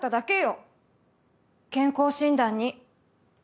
健康診断に。